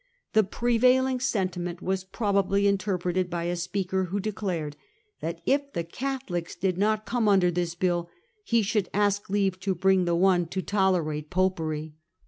The prevailing sentiment was probably interpreted by a speaker who declared that if the Catholics did not come under this bill he should ask leave to bring in one to tolerate Popery.